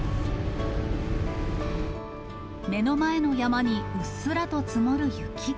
目の前の山にうっすらと積もる雪。